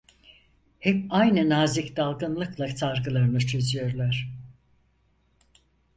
Hep aynı nazik dalgınlıkla sargılarını çözüyorlar.